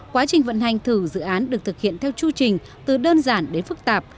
quá trình vận hành thử dự án được thực hiện theo chu trình từ đơn giản đến phức tạp